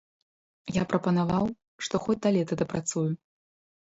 Я прапанаваў, што хоць да лета дапрацую.